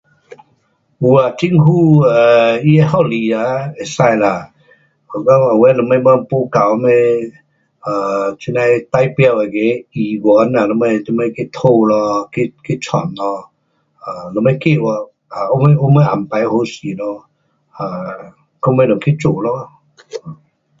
有啊,政府 um 他合理啊可以啦，有讲有什不够什么，这那代表那个议员什么什么去讨啦，去弄咯。um 下尾去有什么安排好势咯。um 到尾就去做咯。